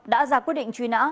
đã ra quyết định truy nã